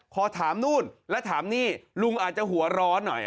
ขอถามนู่นแล้วถามนี่ลุงอาจจะหัวร้อนหน่อย